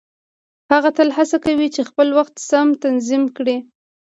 هغه تل هڅه کوي چې خپل وخت سم تنظيم کړي.